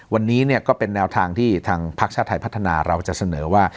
วันนี้ก็เป็นแนวทางที่ทางพักชาติไทยพัฒนาเราจะเสนอว่า